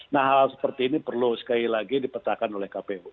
nah hal seperti ini perlu sekali lagi dipetakan oleh kpu